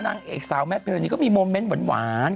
นางเอกสาวแมทพิรณีก็มีโมเมนต์หวาน